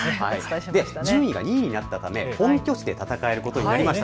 順位が２位になったため本拠地で戦えることになりました。